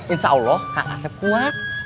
insya allah kang aset kuat